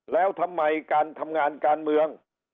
แล้วทำไมการทำงานการเมือง